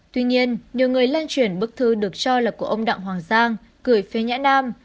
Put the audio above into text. tuy nhiên nhiều người lan truyền bức thư được cho là của ông đặng hoàng giang cười phía nhã nam